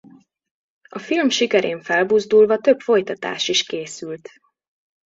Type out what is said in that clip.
A film sikerén felbuzdulva több folytatás is készült.